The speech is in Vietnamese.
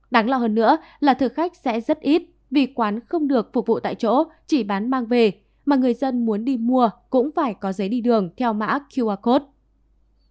đáng lo hơn nữa là thực khách sẽ rất ít vì quán không được phục vụ tại chỗ chỉ bán mang về mà người dân muốn đi mua cũng phải có giấy đi đường theo mã qr code